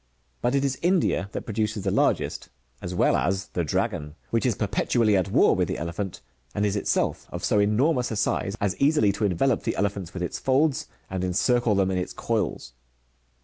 '^ But it is India that produces the largest,' as well as the dragon,"^ which is perpetually at war with, the elephant, and is itself of so enormous a size, as easily to envelope the elephants with its folds, and encircle them in its coils.